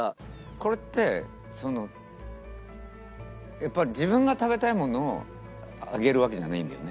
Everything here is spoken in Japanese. これってそのやっぱり自分が食べたいものを上げるわけじゃないんだよね？